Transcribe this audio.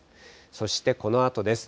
そしてこのあとです。